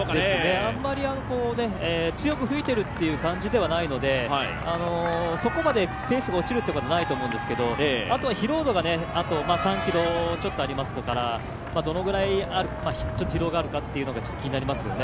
あまり強く吹いているという感じではないのでそこまでペースが落ちるということはないと思うんですけど疲労度が、あと３ｋｍちょっとありますから、どのぐらい疲労があるか気になりますよね。